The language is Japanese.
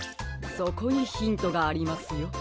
そこにヒントがありますよ。